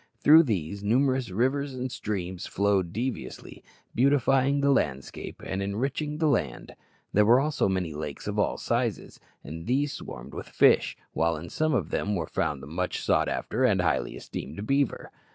Through these, numerous rivers and streams flowed deviously, beautifying the landscape and enriching the land. There were also many lakes of all sizes, and these swarmed with fish, while in some of them were found the much sought after and highly esteemed beaver.